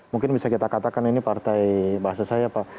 mungkin bisa kita katakan ini partai bahasa saya pak